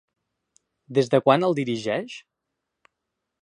Des de quan el dirigeix?